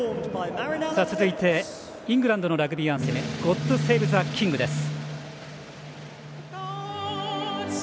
続いて、イングランドのラグビーアンセム「ゴッド・セイブ・ザ・キング」です。